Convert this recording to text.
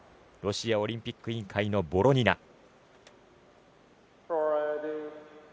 ロシアオリンピック委員会のボロニナ。